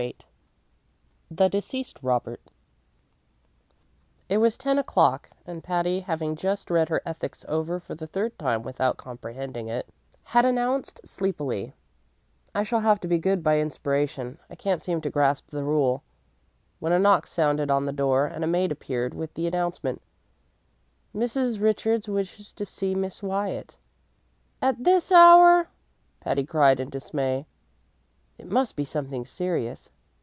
VIII The Deceased Robert It was ten o'clock, and Patty, having just read her ethics over for the third time without comprehending it, had announced sleepily, "I shall have to be good by inspiration; I can't seem to grasp the rule," when a knock sounded on the door and a maid appeared with the announcement, "Mrs. Richards wishes to see Miss Wyatt." "At this hour!" Patty cried in dismay. "It must be something serious.